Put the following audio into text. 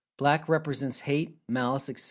Black represents Hate, Malice, etc.